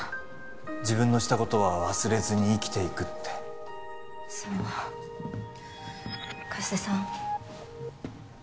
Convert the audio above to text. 自分のしたことは忘れずに生きていくってそう加瀬さん